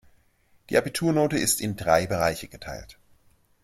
Die Abiturnote ist in drei Bereiche geteilt.